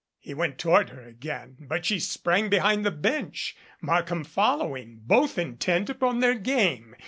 He went toward her again, but she sprang behind the bench, Markham following, both intent upon their game.